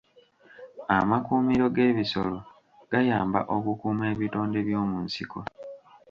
Amakuumiro g'ebisolo gayamba okukuuma ebitonde by'omu nsiko.